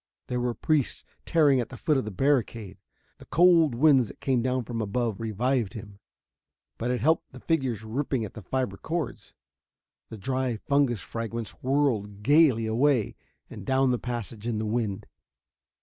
There were priests tearing at the foot of the barricade.... The cold winds that came down from above revived him, but it helped the figures ripping at the fiber cords. The dry fungus fragments whirled gaily away and down the passage in the wind.